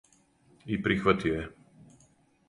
И прихватио је.